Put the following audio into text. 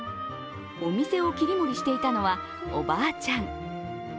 お店を切り盛りしていたのは、おばあちゃん。